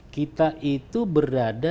kita itu berada